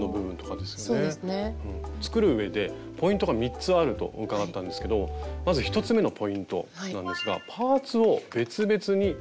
作る上でポイントが３つあると伺ったんですけどまず１つ目のポイントなんですがパーツを別々にバラバラに作っていくと。